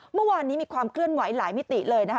เมื่อวานนี้มีความเคลื่อนไหวหลายมิติเลยนะคะ